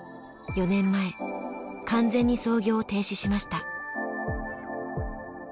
４年前完全に操業を停止しました。